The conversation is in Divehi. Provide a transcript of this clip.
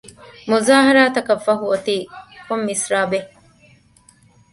މުޒާހަރާތަކަށް ފަހު އޮތީ ކޮން މިސްރާބެއް؟